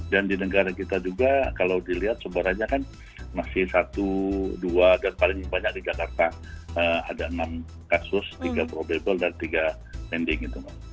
dan di negara kita juga kalau dilihat sebaranya kan masih satu dua dan paling banyak di jakarta ada enam kasus tiga probable dan tiga pending